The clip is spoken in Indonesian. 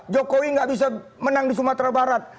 jokowi nggak bisa menang di sumatera barat